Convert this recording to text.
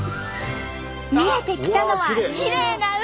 見えてきたのはきれいな海！